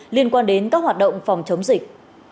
liên quan đến các hoạt động phòng chống dịch